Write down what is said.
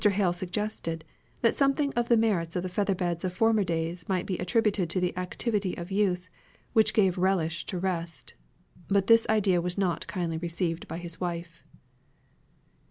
Hale suggested, that something of the merits of the feather beds of former days might be attributed to the activity of youth, which gave a relish to rest; but this idea was not kindly received by his wife.